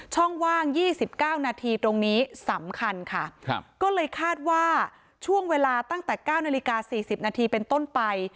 ว่าง๒๙นาทีตรงนี้สำคัญค่ะก็เลยคาดว่าช่วงเวลาตั้งแต่๙นาฬิกา๔๐นาทีเป็นต้นไป